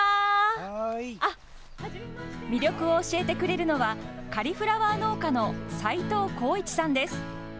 魅力を教えてくれるのはカリフラワー農家の斉藤宏一さんです。